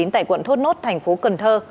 tại quận thốt nốt thành phố cần thơ